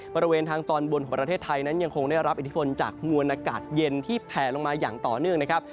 บริเวณทางตอนบนของประเทศไทยนั้นยังคงได้รับอิทธิพลจากมวลอากาศเย็นที่แผลลงมาอย่างต่อเนื่องนะครับ